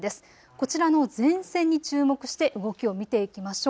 こちらの前線に注目して動きを見ていきましょう。